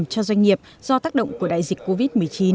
cho doanh nghiệp do tác động của đại dịch covid một mươi chín